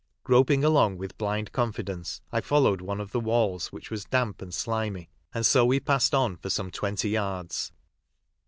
Groping along with blind confidence, I followed one of the walls, which was damp and slimy, and 83 we passed on for some twenty yards.